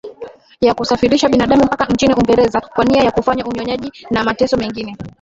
ya kusafirisha binadamu mpaka nchini uingereza kwa nia ya kufanya unyonyaji na mateso mengine